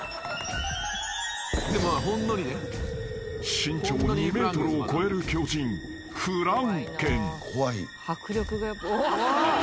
［身長２ｍを超える巨人フランケン］